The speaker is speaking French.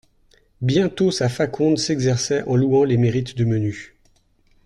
Bientôt sa faconde s'exerçait en louant les mérites du menu.